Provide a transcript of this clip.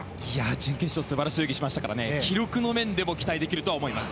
準決勝素晴らしい泳ぎをしたので記録の面でも期待できると思います。